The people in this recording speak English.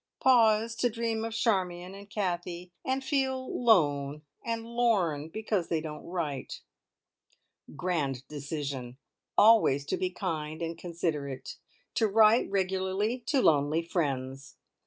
Pause to dream of Charmion and Kathie, and feel lone and lorn because they don't write. Grand decision. Always to be kind and considerate. To write regularly to lonely friends.